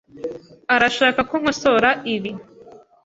arashaka ko nkosora ibi.